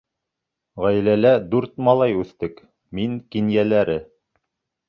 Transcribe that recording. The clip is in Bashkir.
Ғаиләлә дүрт малай үҫтек, мин — кинйәләре.